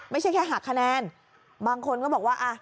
ไม่ใช่แค่หักคะแนนบางคนก็บอกว่าอ่ะ